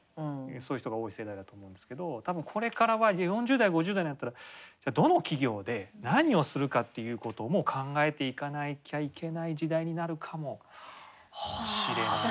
そういう人が多い世代だと思うんですけど多分これからは４０代５０代になったらじゃあどの企業で何をするかっていうことも考えていかなきゃいけない時代になるかもしれない。